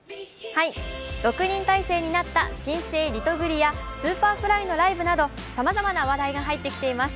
６人体制になった新生リトグリや、Ｓｕｐｅｒｆｌｙのライブなどさまざまな話題が入ってきています。